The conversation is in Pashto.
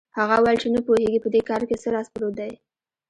هغه وویل چې نه پوهېږي په دې کار کې څه راز پروت دی.